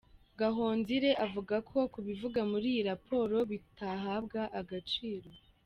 Gahonzire avuga ko ibivugwa muri iyi raporo bitahabwa agaciro.